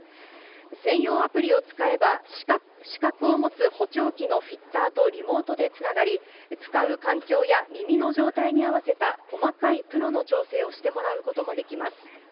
専用アプリを使えば、資格を持つ補聴器のフィッターとリモートでつながり、使う環境や耳の状態に合わせた細かいプロの調整をしてもらうこともできます。